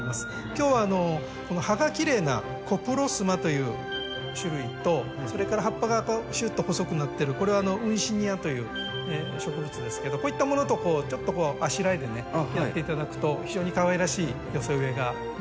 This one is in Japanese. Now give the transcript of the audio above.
今日は葉がきれいなコプロスマという種類とそれから葉っぱがシュッと細くなってるこれはウンシニアという植物ですけどこういったものとちょっとあしらいでねやって頂くと非常にかわいらしい寄せ植えができるんじゃないかなと思います。